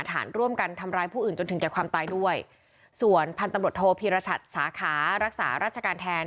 ฐานร่วมกันทำร้ายผู้อื่นจนถึงแก่ความตายด้วยส่วนพันธุ์ตำรวจโทพีรชัดสาขารักษาราชการแทน